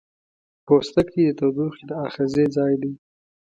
پوستکی د تودوخې د آخذې ځای دی.